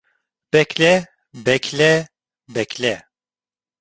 Bekle, bekle, bekle.